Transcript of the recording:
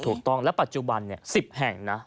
ถูกต้องและปัจจุบัน๑๐แห่งนะ